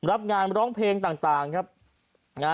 รับงานร้องเพลงต่าง